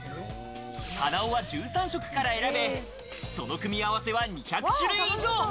鼻緒は１３色から選べ、その組み合わせは２００種類以上。